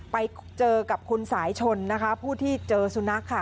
ไปเจอกับคุณสายชนนะคะผู้ที่เจอสุนัขค่ะ